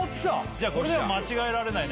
じゃあこれでは間違えられないね